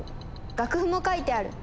楽譜も書いてある。